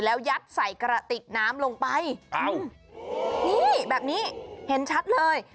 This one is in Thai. แล้วยัดใส่กระติกน้ำลงไปอ้าวนี่แบบนี้เห็นชัดเลย